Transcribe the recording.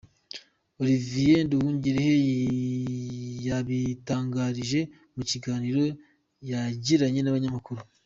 Olivier Nduhungirehe yabitangarije mu kiganiro yagiranye n’ abanyamakuru.